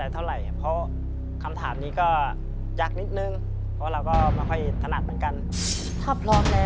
สวัสดีครับ